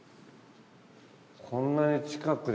こんなに近くで。